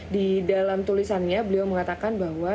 di dalam tulisannya beliau mengatakan bahwa